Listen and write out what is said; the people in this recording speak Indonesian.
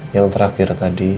yang terakhir tadi